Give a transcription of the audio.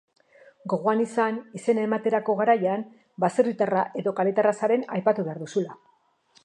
Gogoan izan izena ematerako garaian baserritarra edo kaletarra zaren aipatu behar duzula.